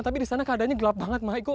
tapi di sana keadanya gelap banget ma